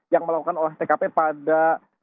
yang melakukan olah tkp pada